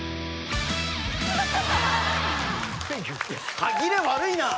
歯切れ悪いな！